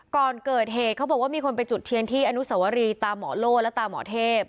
ก่อนเกิดเหตุเขาบอกว่ามีคนไปจุดเทียนที่อนุสวรีตามหมอโล่และตาหมอเทพ